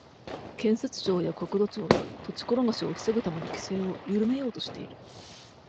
建設省や国土庁は、土地ころがしを防ぐための規制を、ゆるめようとしている。